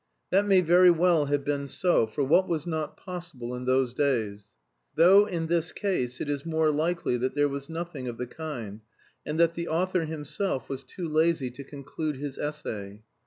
That may very well have been so, for what was not possible in those days? Though, in this case, it is more likely that there was nothing of the kind, and that the author himself was too lazy to conclude his essay.